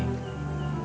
aku juga suka sama zaira